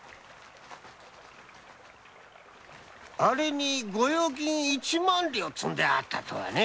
あれに御用金一万両積んであったとはね。